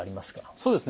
そうですね